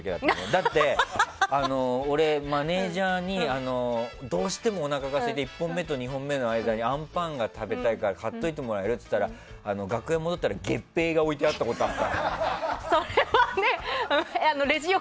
だって俺、マネジャーにどうしてもおなかがすいて１本目と２本目の間にあんパンが食べたいから買っておいてもらえる？って言ったら楽屋、戻ったら月餅が置いてあったことある。